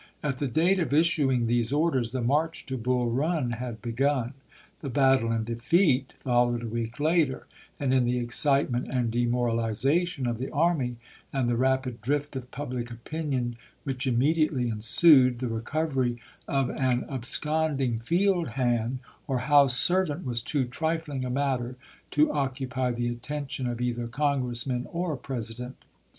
At the date of issuing these orders the march to Bull Eun had begun. The battle and defeat followed a week later ; and in the excitement and demoralization of the army, and the rapid drift of public opinion, which immediately ensued, the recovery of an absconding field hand or house ser vant was too trifling a matter to occupy the atten tion of either Congressmen or President.